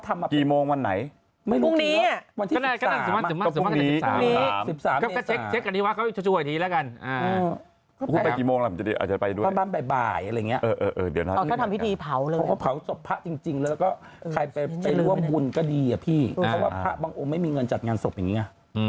ใครไปรู้ว่าบุญก็ดีอ่ะพี่เพราะว่าพระบังอมไม่มีเงินจัดงานศพอย่างนี้